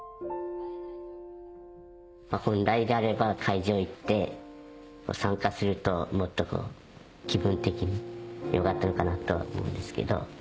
本来であれば会場へ行って参加するともっと気分的によかったのかなとは思うんですけど。